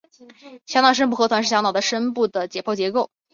小脑深部核团是小脑的深部的解剖结构。